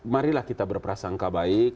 marilah kita berperasangka baik